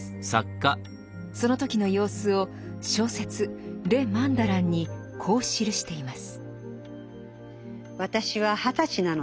その時の様子を小説「レ・マンダラン」にこう記しています。